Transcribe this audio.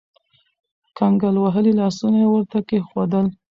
کنګل وهلي لاسونه يې ورته کېښودل.